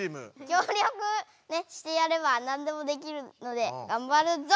きょうりょくしてやればなんでもできるのでがんばるぞ！